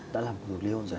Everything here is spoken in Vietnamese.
đã làm cuộc li hôn rồi ạ